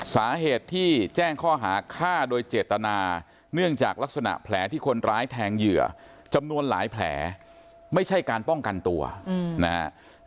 สาเหตุที่แจ้งข้อหาฆ่าโดยเจตนาเนื่องจากลักษณะแผลที่คนร้ายแทงเหยื่อจำนวนหลายแผลไม่ใช่การป้องกันตัวนะฮะ